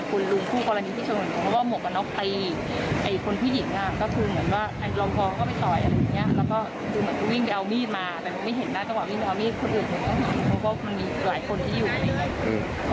ไม่เห็นนะเขาก็บอกว่าวิ่งไปเอามีคนอื่นเพราะว่ามีหลายคนที่อยู่ตรงนี้